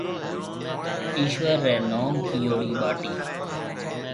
ايشوَر رَي نوم ڪيئوڙِي ٻاٽِي۔